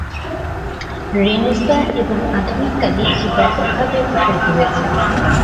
Renaissance এবং আধুনিককালে এটি ব্যাপকভাবে প্রসারিত হয়েছে।